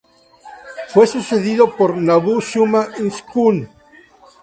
Fue sucedido por Nabu-shuma-ishkun.